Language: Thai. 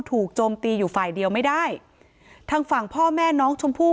โจมตีอยู่ฝ่ายเดียวไม่ได้ทางฝั่งพ่อแม่น้องชมพู่